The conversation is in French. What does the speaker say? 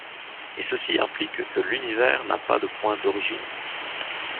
Et ceci implique que l'univers n'a pas de point d'origine.